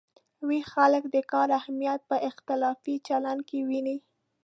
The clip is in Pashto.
ویښ خلک د کار اهمیت په اختلافي چلن کې ویني.